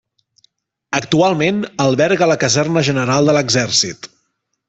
Actualment, alberga la Caserna General de l'Exèrcit.